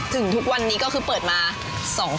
ถึงทุกวันนี้ก็คือเปิดมา